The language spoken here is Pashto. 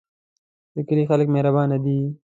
د کلی خلک مهربانه دي